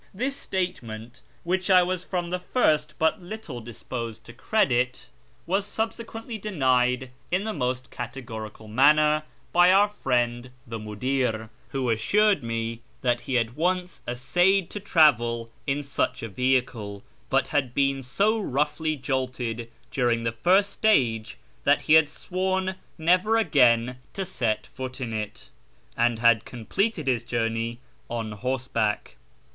This statement, which 1 was from the first but little disposed to credit, was subsequently denied in the most cate gorical manner by our friend the mndir, who assured me that he had once essayed to travel in such a vehicle, but had been soroughly jolted during the first stage that he had sworn never again to set foot in it, and had completed his journey on horse back.